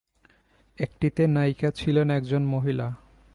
একটিতে নায়িকা ছিলেন একজন মহিলা।